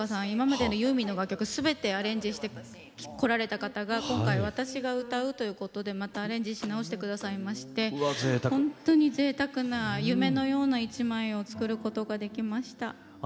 今までユーミンの楽曲をすべてアレンジしてこられた方が今回、私が歌うということでまたアレンジし直してくださいまして本当にぜいたくな夢のような一枚を作ることができました。